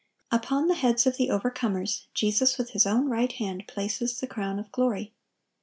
Upon the heads of the overcomers, Jesus with His own right hand places the crown of glory.